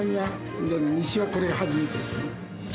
西はこれが初めてですね。